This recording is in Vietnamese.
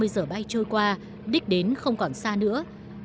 hai mươi giờ bay trôi qua đích đến không còn xa nữa